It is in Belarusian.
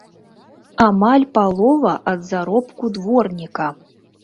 Амаль палова ад заробку дворніка!